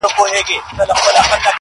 o انسان د خطا خالي نه دئ٫